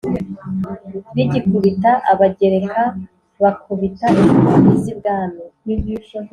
rugikubita, abagereka bakubita inshuro iz'ibwami